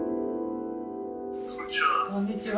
「こんにちは」。